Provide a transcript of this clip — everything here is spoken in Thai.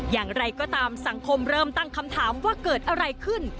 อย่างไรก็ตามสังคมเริ่มตั้งคำถามว่าเกิดอะไรขึ้น